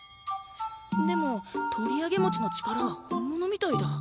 でもとりあげもちの力は本物みたいだ。